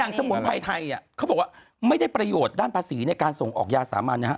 สมุนไพรไทยเขาบอกว่าไม่ได้ประโยชน์ด้านภาษีในการส่งออกยาสามัญนะฮะ